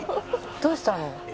「どうしたの？」